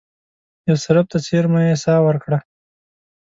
یثرب ته څېرمه یې ساه ورکړه.